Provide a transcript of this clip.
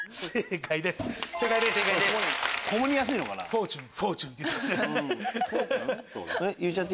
『フォーチュン』『フォーチュン』って言ってました。